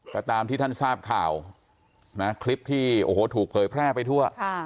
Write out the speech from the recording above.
ก็ตามที่ท่านทราบข่าวนะคลิปที่โอ้โหถูกเผยแพร่ไปทั่ว